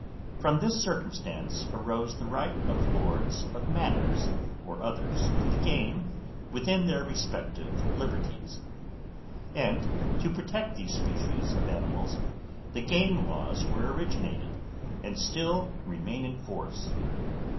From this circumstance arose the right of lords of manors or others to the game within their respective liberties; and to protect these species of animals, the game laws were originated, and still remain in force.